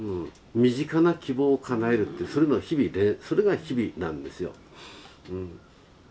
身近な希望をかなえるってそれの日々それが日々なんですよ。